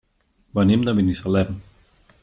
Venim de Binissalem.